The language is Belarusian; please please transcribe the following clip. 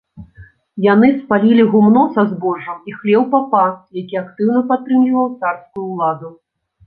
Яны спалілі гумно са збожжам і хлеў папа, які актыўна падтрымліваў царскую ўладу.